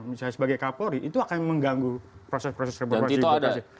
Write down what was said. misalnya sebagai kapolri itu akan mengganggu proses proses reformasi